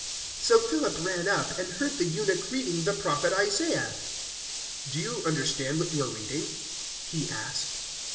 008:030 So Philip ran up and heard the eunuch reading the Prophet Isaiah. "Do you understand what you are reading?" he asked.